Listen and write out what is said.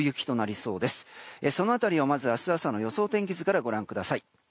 その辺り、まず明日朝の予想天気図からご覧ください。